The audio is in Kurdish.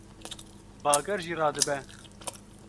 Bager jî radibe